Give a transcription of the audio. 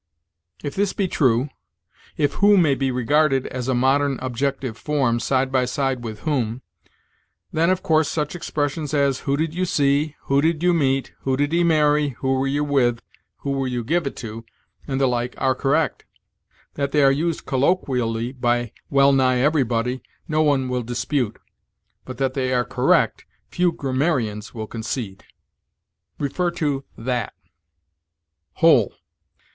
If this be true if who may be regarded as a modern objective form, side by side with whom then, of course, such expressions as "Who did you see?" "Who did you meet?" "Who did he marry?" "Who were you with?" "Who will you give it to?" and the like, are correct. That they are used colloquially by well nigh everybody, no one will dispute; but that they are correct, few grammarians will concede. See THAT. WHOLE.